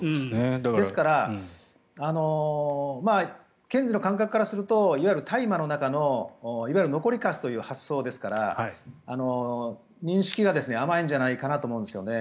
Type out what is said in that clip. ですから、検事の感覚からすると大麻の中のいわゆる残りかすという発想ですから認識が甘いんじゃないかなと思うんですよね。